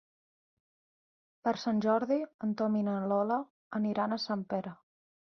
Per Sant Jordi en Tom i na Lola aniran a Sempere.